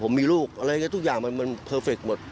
ผมมีลูกอะไรแบบนี้ทุกอย่างมันเพอร์เฟคมัน